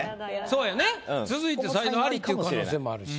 そうよね続いて才能アリっていう可能性もあるし。